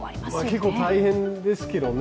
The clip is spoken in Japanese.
結構大変ですけどね。